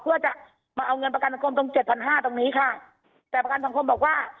เพื่อจะมาเอาเงินประกันสังคมตรงเจ็ดพันห้าตรงนี้ค่ะแต่ประกันสังคมบอกว่า